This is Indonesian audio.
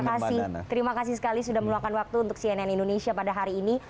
terima kasih terima kasih sekali sudah meluangkan waktu untuk cnn indonesia pada hari ini